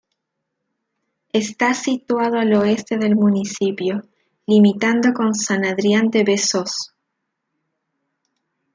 Está situado al oeste del municipio, limitando con San Adrián de Besós.